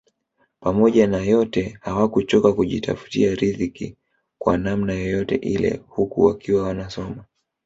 Pamoja na yote hawakuchoka kujitafutia ridhiki kwa namna yoyote ile huku wakiwa wanasoma